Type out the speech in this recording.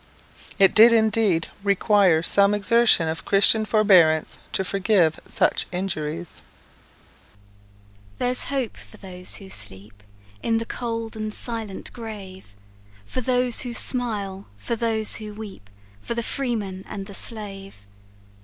_" It did, indeed, require some exertion of Christian forbearance to forgive such injuries. Song. "There's hope for those who sleep In the cold and silent grave, For those who smile, for those who weep, For the freeman and the slave!